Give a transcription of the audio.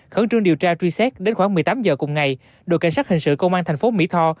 khẩn trương điều tra truy xét đến khoảng một mươi tám giờ cùng ngày đội cảnh sát hình sự công an tp mỹ tho